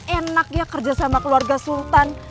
enak ya kerja sama keluarga sultan